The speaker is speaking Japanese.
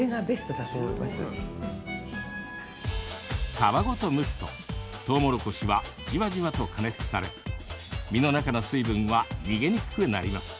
皮ごと蒸すと、とうもろこしはじわじわと加熱され実の中の水分は逃げにくくなります。